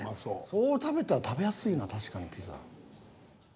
そう食べたら食べやすいな確かにピザ。